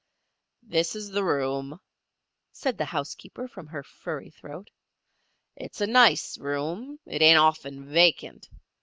"This is the room," said the housekeeper, from her furry throat. "It's a nice room. It ain't often vacant.